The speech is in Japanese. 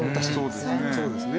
そうですね。